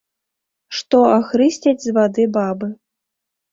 Што ахрысцяць з вады бабы.